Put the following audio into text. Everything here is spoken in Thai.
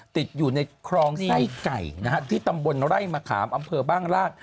ติดอยู่ในคลองไส้ไก่นะฮะที่ตำบลไร่มะขามอำเภอบ้านราช